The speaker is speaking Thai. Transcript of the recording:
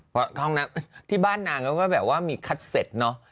เพราะห้องน้ำที่บ้านนางเขาก็แบบว่ามีคัดเซ็ตเนอะ